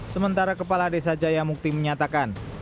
sementara kepala desa jaya mukti menyatakan